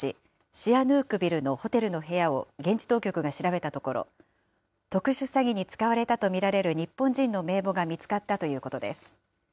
シアヌークビルのホテルの部屋を現地当局が調べたところ、特殊詐欺に使われたと見られる日本人の名簿が見つかったということです。